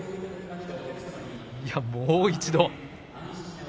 もう一度。